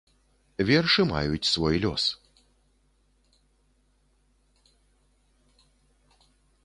Вершы маюць свой лёс.